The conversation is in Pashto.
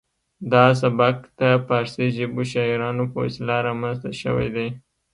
دا سبک د پارسي ژبو شاعرانو په وسیله رامنځته شوی دی